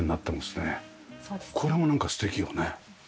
これもなんか素敵よね。